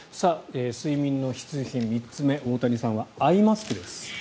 睡眠の質３つ目大谷さんはアイマスクです。